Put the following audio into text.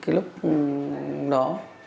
cái lúc đó